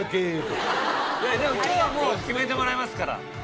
でも今日はもう決めてもらいますから。